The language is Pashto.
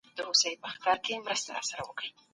موږ بايد خپلي پيسې پس انداز کړو.